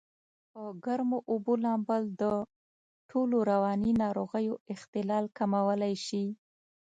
په ګرمو اوبو لامبل دټولو رواني ناروغیو اختلال کمولای شي.